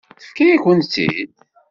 Tefka-yakent-tt-id.